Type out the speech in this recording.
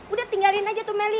udah tinggalin aja tuh melly